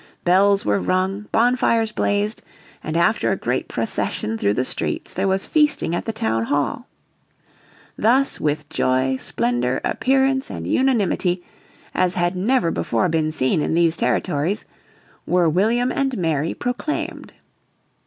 Bells were rung, bonfires blazed, and after a great procession through the streets there was feasting at the Townhall. Thus "with joy, splendour, appearance and unanimity, as had never before been seen in these territories," were William and Mary proclaimed.